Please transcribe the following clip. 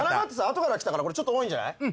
あとから来たからちょっと多いんじゃない？